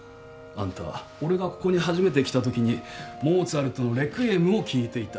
あんたは俺がここに初めて来たときにモーツァルトの『レクイエム』を聴いていた。